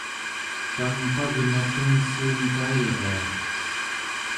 tang, pagna tengssuun tailria!